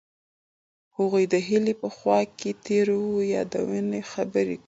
هغوی د هیلې په خوا کې تیرو یادونو خبرې کړې.